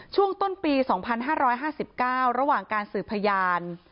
ช่วงต้นปี๒๕๕๙ระหว่างการสืบพยาน